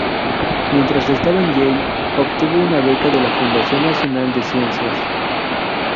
Mientras estaba en Yale, obtuvo una beca de la Fundación Nacional de Ciencias.